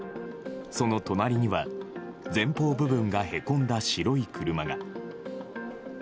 その隣には、前方部分がへこんだ白い車が。